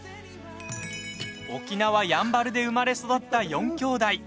沖縄、やんばるで生まれ育った４兄妹。